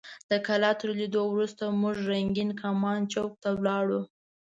د کلا تر لیدو وروسته موږ رنګین کمان چوک ته لاړو.